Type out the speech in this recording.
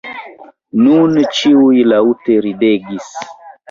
Nun ĉiuj laŭte ridegis.